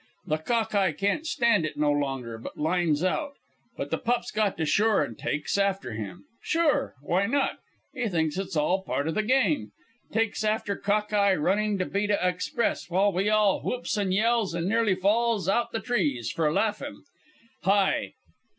The Cock eye can't stand it no longer, but lines out. But the pup's got to shore an' takes after him. Sure; why not? He think's it's all part of the game. Takes after Cock eye, running to beat a' express, while we all whoops and yells an' nearly falls out the trees for laffing. Hi!